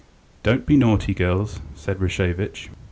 "Don't be naughty, girls," said Rashevitch.